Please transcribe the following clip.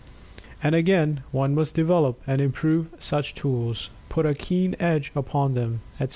And again, one must develop and improve such tools put a keen edge upon them, etc.